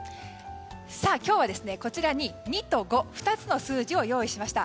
今日はこちらに２と５２つの数字を用意しました。